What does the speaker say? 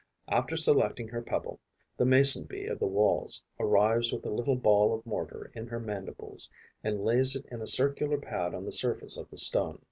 After selecting her pebble, the Mason bee of the Walls arrives with a little ball of mortar in her mandibles and lays it in a circular pad on the surface of the stone.